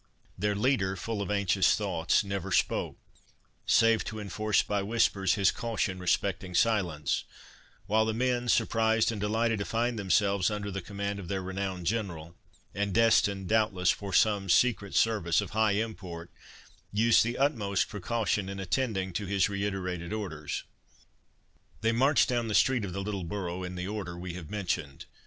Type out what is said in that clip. Their leader, full of anxious thoughts, never spoke, save to enforce by whispers his caution respecting silence, while the men, surprised and delighted to find themselves under the command of their renowned General, and destined, doubtless, for some secret service of high import, used the utmost precaution in attending to his reiterated orders. They marched down the street of the little borough in the order we have mentioned.